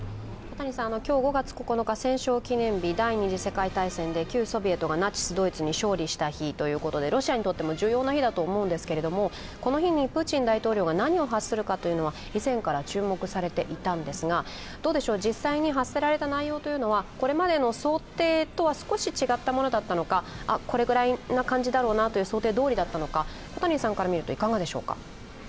今日５月９日、戦勝記念日で第二次世界大戦でナチス・ドイツに勝利した日ということで、ロシアにとっても重要な日だと思うんですけど、この日にプーチン大統領が何を発するのか以前から注目されていたんですが、どうでしょう、実際に発せられた内容というのはこれまでの想定と少し違ったものだったのかこれぐらいな感じだろうなと想定どおりだったのか小谷さんから見ると、いかがでしょうか。